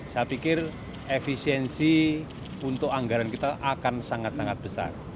saya pikir efisiensi untuk anggaran kita akan sangat sangat besar